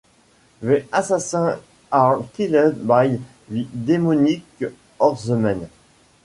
The assassins are killed by the demonic horsemen.